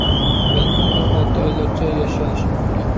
بەلكىم ئۇ ئالتە ئايلارچە ياشىيالىشى مۇمكىن.